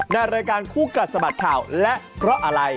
ในรายการคู่กัดสะบัดข่าวและเพราะอะไร